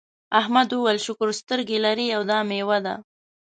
احمد وویل شکر سترګې لرې او دا میوه ده.